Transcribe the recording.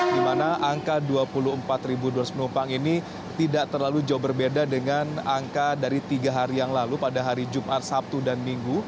di mana angka dua puluh empat dua ratus penumpang ini tidak terlalu jauh berbeda dengan angka dari tiga hari yang lalu pada hari jumat sabtu dan minggu